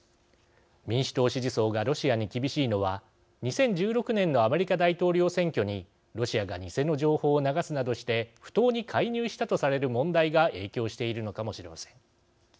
民主党支持層がロシアに厳しいのは２０１６年のアメリカ大統領選挙にロシアが偽の情報を流すなどして不当に介入したとされる問題が影響しているのかもしれません。